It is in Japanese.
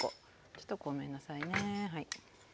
ちょっとごめんなさいね。